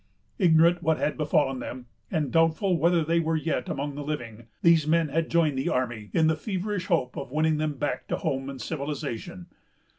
Ignorant what had befallen them, and doubtful whether they were yet among the living, these men had joined the army, in the feverish hope of winning them back to home and civilization.